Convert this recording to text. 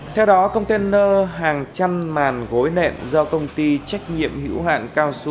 theo đó container hàng chăn màn gối nện do công ty trách nhiệm hữu hạn cao su